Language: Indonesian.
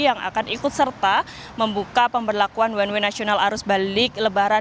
yang akan ikut serta membuka pemberlakuan one way national arus balik lebaran dua ribu dua puluh empat